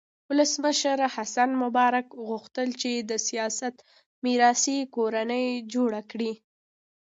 ولسمشر حسن مبارک غوښتل چې د سیاست میراثي کورنۍ جوړه کړي.